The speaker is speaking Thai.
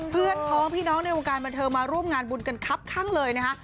เพื่อนพ้องพี่น้องในวงการบันเทิงมาร่วมงานบุญกันครับข้างเลยนะคะ